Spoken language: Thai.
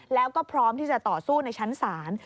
แล้วก็พร้อมที่จะต่อสู้ในชั้นศาล